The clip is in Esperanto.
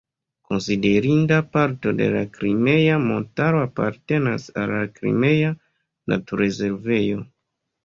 Konsiderinda parto de la Krimea Montaro apartenas al la Krimea naturrezervejo.